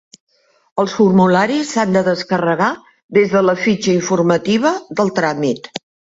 Els formularis s'han de descarregar des de la fitxa informativa del tràmit.